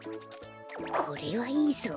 これはいいぞ。